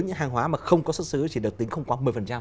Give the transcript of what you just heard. những hàng hóa mà không có xuất xứ thì được tính không quá